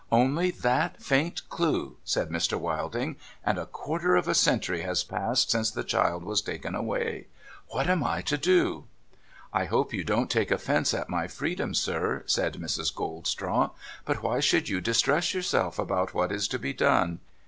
' Only that faint clue !' said IMr. 'Wilding. ' And a quarter of a century has passed since the child was taken away ! What am I to do ?'' I hope you won't take offence at my freedom, sir,' said Mrs. Goldstraw ;' but why should you distress yourself about what is to be done